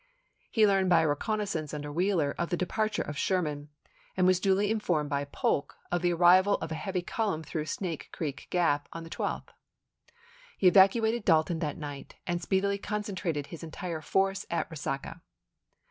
He learned by a reconnaissance under Wheeler of the departure of Sherman, and was duly informed by Polk of the arrival of a heavy column through Snake Creek Gap on the 12th. He evacuated Dalton that night, and speedily con centrated his entire force at Resaca.